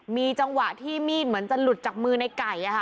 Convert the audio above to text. มีจังหวะที่มีดเหมือนจะหลุดจากมือในไก่